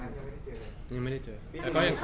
เคยคิดว่าปีผิมไม่ได้ไปอยู่บ้าน๕วันนะครับ